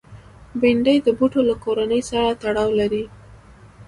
بېنډۍ د بوټو له کورنۍ سره تړاو لري